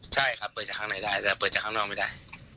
ใช่ครับเปิดจากข้างในได้แต่เปิดจากข้างนอกไม่ได้